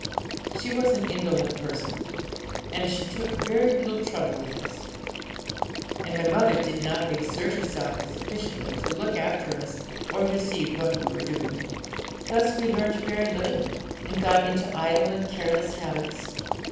She was an indolent person, and she took very little trouble with us, and my mother did not exert herself sufficiently to look after us, or to see what we were doing. Thus we learnt very little, and got into idle and careless habits.